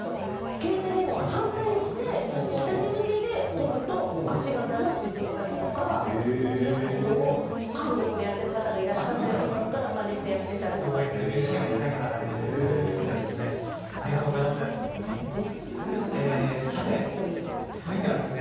携帯電話を反対にして下に向けて撮ると足が長く映ったりとかするというのを韓国でやっている方がいらっしゃって、そこからまね美意識が高い方がいらっしゃるんですね。